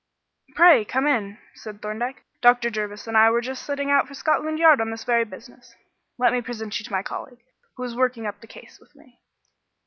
"Pray come in," said Thorndyke. "Dr. Jervis and I were just setting out for Scotland Yard on this very business. Let me present you to my colleague, who is working up the case with me."